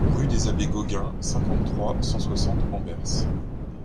Rue des Abbés Gaugain, cinquante-trois, cent soixante Hambers